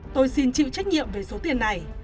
tôi xin chịu trách nhiệm về số tiền này